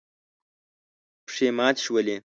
پښې ماتې شولې.